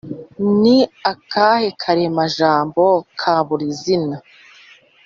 Ni akahe karemajambo ka buri zina